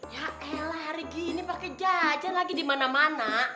ya elah hari gini pake jajan lagi dimana mana